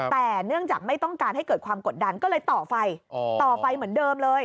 แต่เนื่องจากไม่ต้องการให้เกิดความกดดันก็เลยต่อไฟต่อไฟเหมือนเดิมเลย